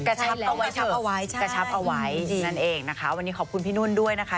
กระชับเอาไว้นั่นเองวันนี้ขอบคุณพี่นนุนด้วยนะคะ